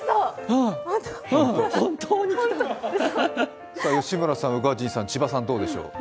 本当に来た吉村さん、宇賀神さん、千葉さん、どうでしょう？